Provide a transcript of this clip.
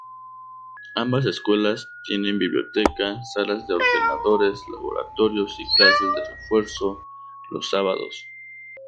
Ambas escuelas tienen biblioteca, salas de ordenadores, laboratorios y clases de refuerzo los sábados.